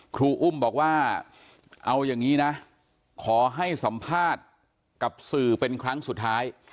ครูอุ้มบอกว่าเอาอย่างนี้นะขอให้สัมภาษณ์กับสื่อเป็นครั้งสุดท้าย